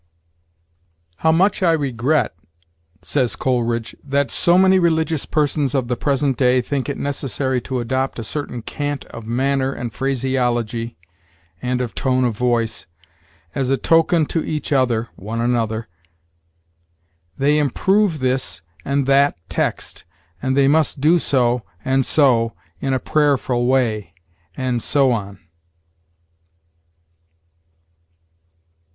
"How much I regret," says Coleridge, "that so many religious persons of the present day think it necessary to adopt a certain cant of manner and phraseology [and of tone of voice] as a token to each other [one another]! They improve this and that text, and they must do so and so in a prayerful way; and so on."